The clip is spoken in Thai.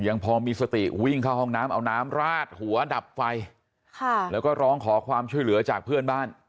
ยังพอมีสติวิ่งเข้าห้องน้ำเอาน้ำราดหัวดับไฟค่ะแล้วก็ร้องขอความช่วยเหลือจากเพื่อนบ้าน